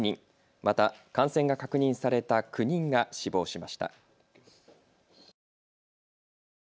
また感染が確認された９人が死亡しました。